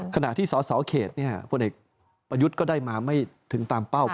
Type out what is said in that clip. ขณะที่สสเขตพลเอกประยุทธ์ก็ได้มาไม่ถึงตามเป้า